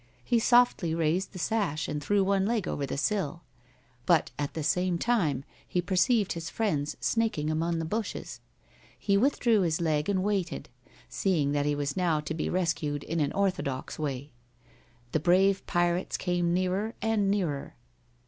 He softly raised the sash and threw one leg over the sill. But at the same time he perceived his friends snaking among the bushes. He withdrew his leg and waited, seeing that he was now to be rescued in an orthodox way. The brave pirates came nearer and nearer.